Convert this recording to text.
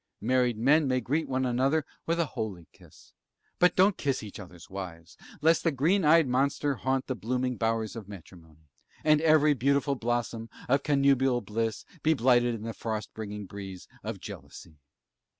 Married men may greet one another with a holy kiss, but don't kiss each other's wives, lest the green eyed monster haunt the blooming bowers of matrimony, and every beautiful blossom of connubial bliss be blighted in the frost bringing breeze of jealousy.